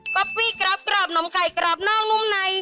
อปปี้กรอบกรอบนมไข่กรอบนอกนุ่มใน